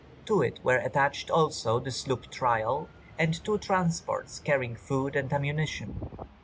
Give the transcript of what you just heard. To it were attached also the sloop Trial, and two transports carrying food and ammunition.